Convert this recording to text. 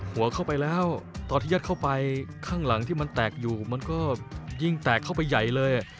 หัวเข้าไปแล้วตอนที่ยัดเข้าไปข้างหลังที่มันแตกอยู่มันก็ยิ่งแตกเข้าไปใหญ่เลย